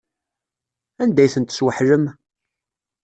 Anda ay tent-tesweḥlem?